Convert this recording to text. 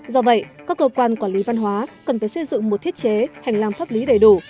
do vậy các cơ quan quản lý văn hóa cần phải xây dựng một thiết chế hành lang pháp lý đầy đủ